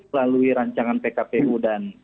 melalui rancangan pkpu dan